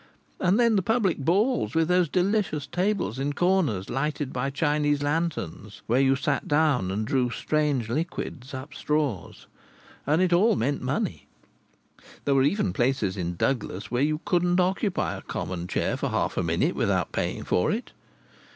And then the public balls, with those delicious tables in corners, lighted by Chinese lanterns, where you sat down and drew strange liquids up straws. And it all meant money. There were even places in Douglas where you couldn't occupy a common chair for half a minute without paying for it.